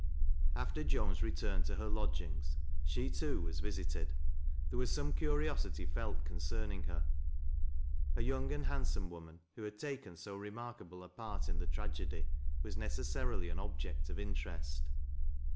After Joan's return to her lodgings, she, too, was visited. There was some curiosity felt concerning her. A young and handsome woman, who had taken so remarkable a part in the tragedy, was necessarily an object of interest.